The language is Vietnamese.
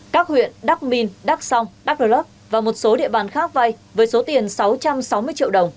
các huyện đắk minh đắk song đắk lớp và một số địa bàn khác vay với số tiền sáu trăm sáu mươi triệu đồng